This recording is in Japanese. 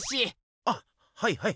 あっはいはい。